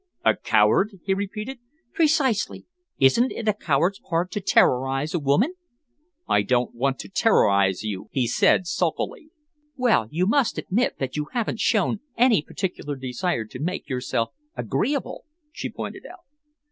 "A coward?" he repeated. "Precisely! Isn't it a coward's part to terrorise a woman?" "I don't want to terrorise you," he said sulkily. "Well, you must admit that you haven't shown any particular desire to make yourself agreeable," she pointed out.